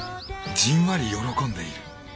じんわり喜んでいる。